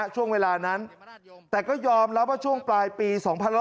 ช่วงเวลานั้นแต่ก็ยอมรับว่าช่วงปลายปี๒๕๖๒